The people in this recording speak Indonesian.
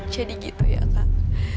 jadi gitu ya kak